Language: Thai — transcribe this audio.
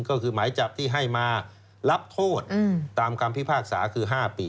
ก็คือหมายจับที่ให้มารับโทษตามคำพิพากษาคือ๕ปี